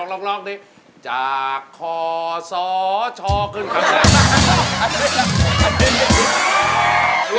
ลองดิจากคอสอชอขึ้นข้างหน้า